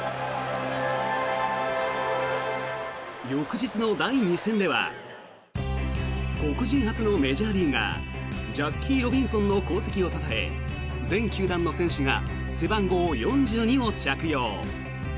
翌日の第２戦目は黒人初のメジャーリーガージャッキー・ロビンソンの功績をたたえ全球団の選手が背番号４２を着用。